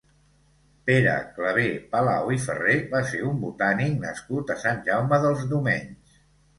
Pere Claver Palau i Ferrer va ser un botànic nascut a Sant Jaume dels Domenys.